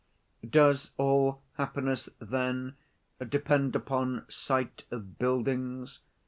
"Does all happiness, then, depend upon sight of buildings?"